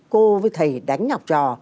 cô với thầy đánh học trò